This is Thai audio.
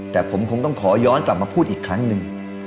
แต่ผมคงต้องขอย้อนกลับมาพูดอีกครั้งหนึ่ง